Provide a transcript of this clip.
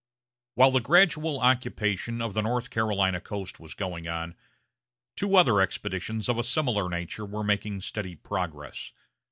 While the gradual occupation of the North Carolina coast was going on, two other expeditions of a similar nature were making steady progress.